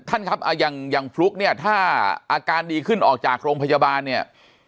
ท่านครับอย่างฟลุ๊กเนี่ยถ้าอาการดีขึ้นออกจากโรงพยาบาลเนี่ย